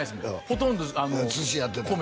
ほとんどあの寿司やってた？